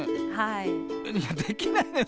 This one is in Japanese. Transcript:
いやできないのよ